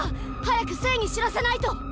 早く政に知らせないとっ！